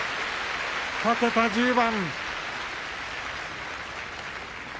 ２桁１０番。